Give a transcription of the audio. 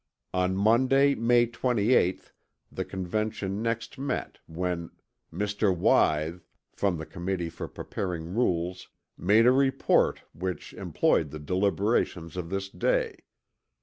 On Monday May 28th the Convention next met when "Mr. Wythe, from the committee for preparing rules made a report which, employed the deliberations of this day."